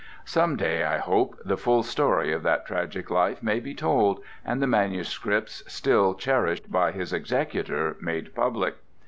Some day, I hope, the full story of that tragic life may be told, and the manuscripts still cherished by his executor made public.